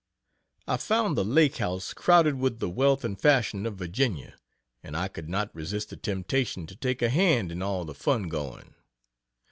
I found the "Lake House" crowded with the wealth and fashion of Virginia, and I could not resist the temptation to take a hand in all the fun going.